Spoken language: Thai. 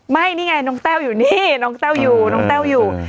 ไม่นี่ไงน้องแต้วอยู่นี่น้องแต้วอยู่น้องแต้วอยู่